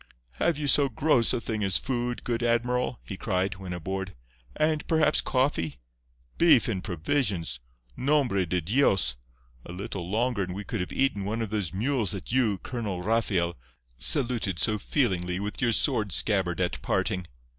"Have you so gross a thing as food, good admiral?" he cried, when aboard. "And, perhaps, coffee? Beef and provisions! Nombre de Dios! a little longer and we could have eaten one of those mules that you, Colonel Rafael, saluted so feelingly with your sword scabbard at parting.